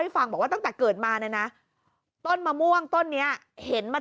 ฟังบอกว่าตั้งแต่เกิดมาเนี่ยนะต้นมะม่วงต้นนี้เห็นมา